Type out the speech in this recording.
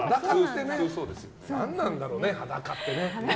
何なんだろうね、裸ってね。